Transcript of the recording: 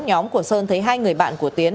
nhóm của sơn thấy hai người bạn của tiến